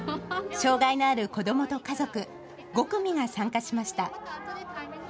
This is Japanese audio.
障害のある子どもと家族５組が参加しました。